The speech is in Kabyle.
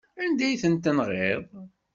Anda ay ten-tenɣiḍ?